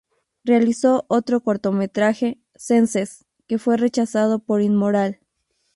Realizó otro cortometraje, "Senses", que fue rechazado por inmoral.